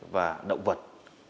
và động vật